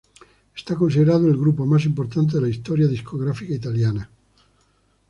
Es considerado el grupo más importante de la historia discográfica italiana.